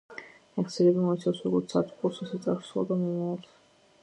მეხსიერება მოიცავს როგორც აწმყოს, ისე წარსულსა და მომავალს.